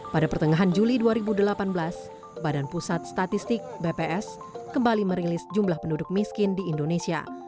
pada pertengahan juli dua ribu delapan belas badan pusat statistik bps kembali merilis jumlah penduduk miskin di indonesia